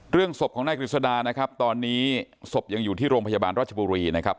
ศพของนายกฤษดานะครับตอนนี้ศพยังอยู่ที่โรงพยาบาลราชบุรีนะครับ